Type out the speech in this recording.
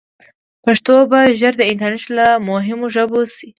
پښتو به ژر د انټرنیټ له مهمو ژبو شي.